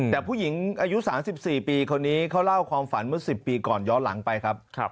แต่ผู้หญิงอายุ๓๔ปีคนนี้เขาเล่าความฝันเมื่อ๑๐ปีก่อนย้อนหลังไปครับ